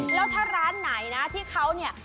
แล้วถ้าร้านไหนนะที่เขาเนี่ย